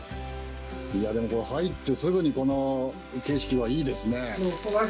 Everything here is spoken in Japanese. いやでも入ってすぐにこの景色はいいですね。